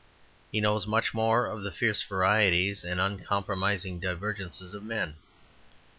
He knows much more of the fierce varieties and uncompromising divergences of men.